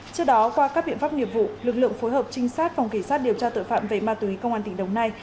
trước đó qua các biện pháp nghiệp vụ lực lượng phối hợp trinh sát phòng kỳ sát điều tra tội phạm về ma túy công an tỉnh đồng nai